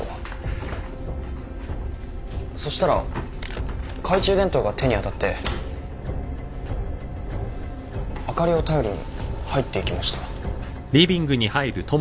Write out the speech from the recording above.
そしたら懐中電灯が手に当たって灯りを頼りに入っていきました。